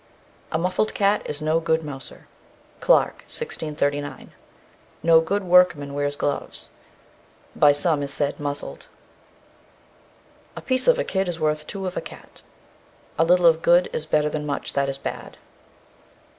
A muffled cat is no good mouser. CLARKE, 1639. No good workman wears gloves. By some is said "muzzled." A piece of a kid is worth two of a cat. A little of good is better than much that is bad.